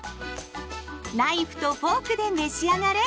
ナイフとフォークで召し上がれ！